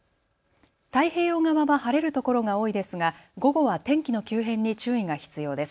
太平洋側は晴れるところが多いですが午後は天気の急変に注意が必要です。